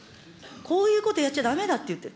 こういうことやっちゃだめだって言ってる。